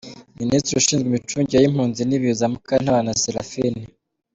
Minisitiri Ushinzwe Imicungire y’Impunzi n’Ibiza : Mukantabana Seraphine